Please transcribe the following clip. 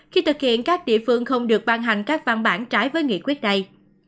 khi thực hiện các địa phương không được ban hành các văn bản trái với nghị quyết này